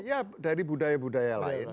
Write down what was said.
ya dari budaya budaya lain